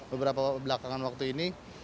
beberapa belakangan waktu ini